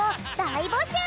いぼしゅう！